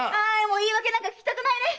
言い訳なんか聞きたくないね！